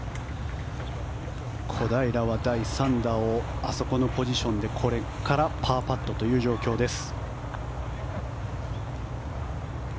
小平は第３打をあそこのポジションでこれからパーパットという状況です。